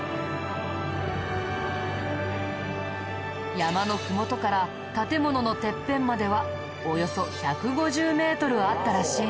山のふもとから建物のてっぺんまではおよそ１５０メートルあったらしいんだ。